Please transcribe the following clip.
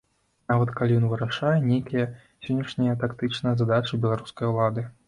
Нават калі ён вырашае нейкія сённяшнія тактычныя задачы беларускай улады.